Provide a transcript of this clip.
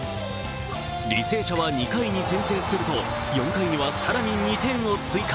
履正社は２回に先制すると４回には更に２点を追加。